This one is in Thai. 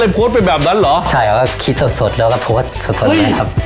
โทรไปแบบนั้นเหรอใช่เขาก็คิดสดแล้วก็โทรเลยครับ